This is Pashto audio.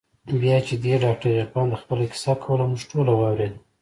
بيا چې دې ډاکتر عرفان ته خپله کيسه کوله موږ ټوله واورېده.